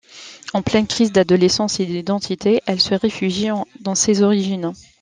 En pleine crise d'adolescence et d'identité, elle se réfugie dans ses origines.